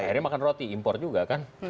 akhirnya makan roti impor juga kan